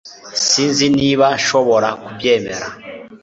Sinzi niba nshobora kubyemera